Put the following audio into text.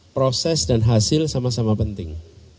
proses dan hasil sama sama penting